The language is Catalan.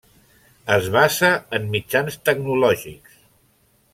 Es basa en mitjans tecnològics.